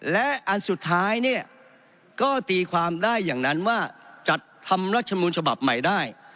และอันสุดท้ายเนี่ยก็ตีความได้อย่างนั้นว่าจัดทำรัฐมูลฉบับใหม่ได้